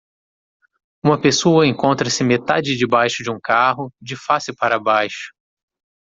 Uma pessoa encontra-se metade debaixo de um carro? de face para baixo.